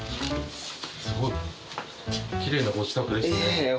すごいきれいなご自宅ですね